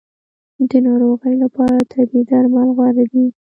د ناروغۍ لپاره طبیعي درمل غوره دي